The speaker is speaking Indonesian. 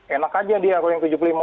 enak aja dia